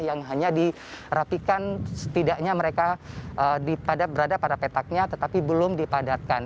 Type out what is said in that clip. yang hanya dirapikan setidaknya mereka berada pada petaknya tetapi belum dipadatkan